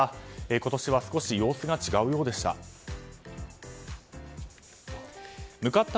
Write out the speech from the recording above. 今年は少し様子が違うようでした。